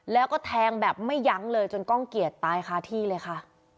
แล้วก็แทงแบบไม่ยั้งเลยจนก้องเกียจตายคาที่เลยค่ะ